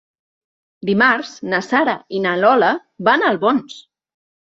Dimarts na Sara i na Lola van a Albons.